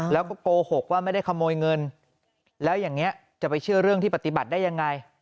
แล้วก็โกหกว่าไม่ได้ขโมยเงินแล้วอย่างนี้จะไปเชื่อเรื่องที่ปฏิบัติได้ยังไง